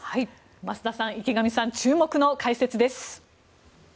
増田さん、池上さん注目の解説です。